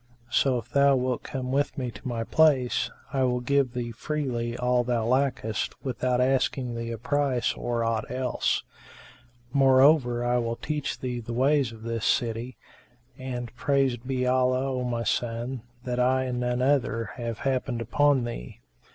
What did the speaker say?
So if thou wilt come with me to my place, I will give thee freely all thou lackest without asking thee a price or aught else. Moreover I will teach thee the ways of this city; and, praised be Allah, O my son, that I, and none other have happened upon thee."